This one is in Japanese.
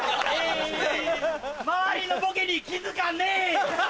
周りのボケに気付かねえ！